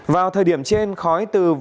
vào thời điểm trên khói từ một tầng đến một tầng